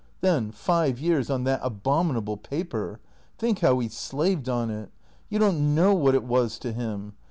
Then — five years on that abominable paper. Think how he slaved on it. You don't know what it was to him.